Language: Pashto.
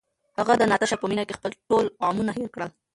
هغه د ناتاشا په مینه کې خپل ټول غمونه هېر کړل.